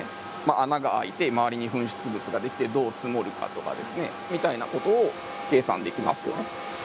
穴が開いて周りに噴出物ができてどう積もるかとかですねみたいなことを計算できますよ。